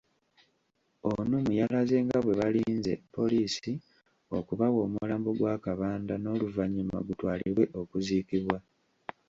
Onumu yalaze nga bwe balinze poliisi okubawa omulambo gwa Kabanda n'oluvannyuma gutwalibwe okuziiikibwa.